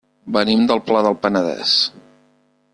Venim del Pla del Penedès.